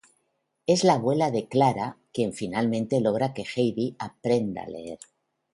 Es la abuela de Clara, quien finalmente logra que Heidi aprenda a leer.